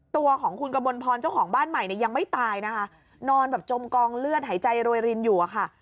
ตัวของคุณกมลพรเจ้าของบ้านใหม่เนี่ยยังไม่ตายนะคะนอนแบบจมกองเลือดหายใจโรยรินอยู่อะค่ะ